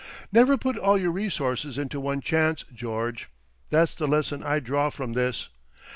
"Never put all your resources into one chance, George; that's the lesson I draw from this.